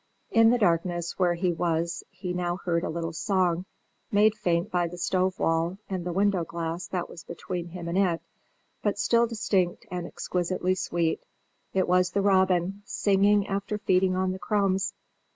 In the darkness where he was he now heard a little song, made faint by the stove wall and the window glass that was between him and it, but still distinct and exquisitely sweet. It was the robin, singing after feeding on the crumbs.